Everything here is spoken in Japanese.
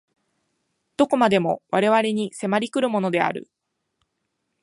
何処までも我々に迫り来るものである。